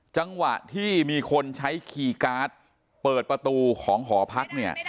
จังหวะที่มีคนใช้คีย์การ์ดเปิดประตูของหอพักเนี่ย